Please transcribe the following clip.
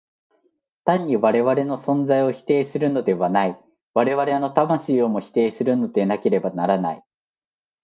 単に我々の存在を否定するのではない、我々の魂をも否定するのでなければならない。